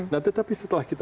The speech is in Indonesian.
nah tetapi setelah kita